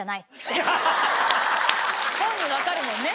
本人分かるもんね。